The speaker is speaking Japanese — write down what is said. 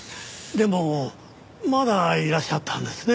でもまだいらっしゃったんですね。